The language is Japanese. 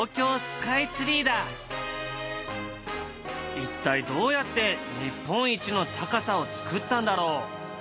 一体どうやって日本一の高さを造ったんだろう？